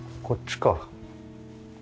こっちか。